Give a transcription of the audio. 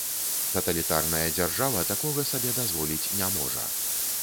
Таталітарная дзяржава такога сабе дазволіць не можа.